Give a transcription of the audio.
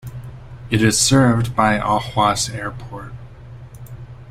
It is served by Ahuas Airport.